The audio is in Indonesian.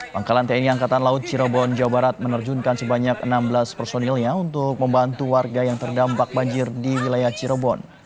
pangkalan tni angkatan laut cirebon jawa barat menerjunkan sebanyak enam belas personilnya untuk membantu warga yang terdampak banjir di wilayah cirebon